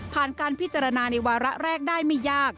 การพิจารณาในวาระแรกได้ไม่ยาก